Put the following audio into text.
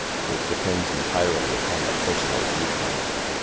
It depends entirely upon the personal viewpoint.